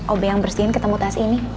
obe yang bersihin ketemu tas ini